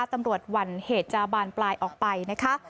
หวั่นเหตุจะบานปลายออกไปนะคะ